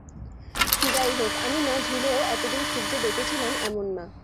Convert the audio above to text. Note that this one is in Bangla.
যাইহোক, আমি না ঝুলেও এতদিন খুব যে বেঁচে ছিলাম এমন না।